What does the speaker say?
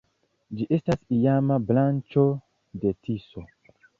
Ĝi estas iama branĉo de Tiso.